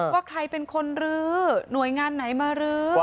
ว่าใครเป็นคนรื้อหน่วยงานไหนมาลื้อ